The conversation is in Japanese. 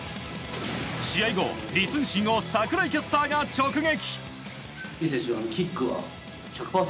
試合後、リ・スンシンを櫻井キャスターが直撃。